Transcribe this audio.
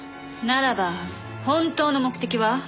ならば本当の目的は？